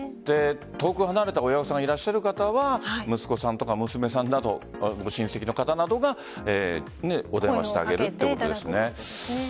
遠く離れた親御さんがいる方は息子さん、娘さん親戚の方などがお電話してあげるということですね。